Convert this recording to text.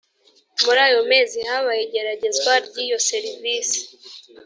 muri ayo mezi habaye igeragezwa ry’iyo serivisi